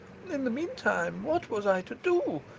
In the meanwhile, what was I to do?